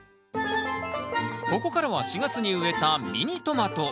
ここからは４月に植えたミニトマト。